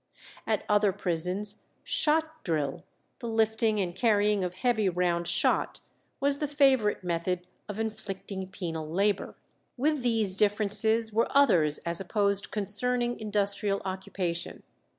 At other prisons "shot drill," the lifting and carrying of heavy round shot, was the favourite method of inflicting penal labour. With these differences were others as opposed concerning industrial occupation.